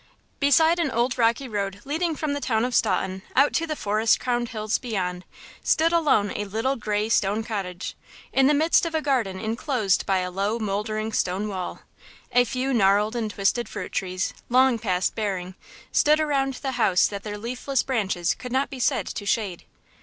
BESIDE an old rocky road leading from the town of Staunton out to the forest crowned hills beyond, stood alone a little, gray stone cottage, in the midst of a garden inclosed by a low, moldering stone wall. A few gnarled and twisted fruit trees, long past bearing, stood around the house that their leafless branches could not be said to shade.